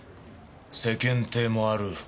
世間体もある。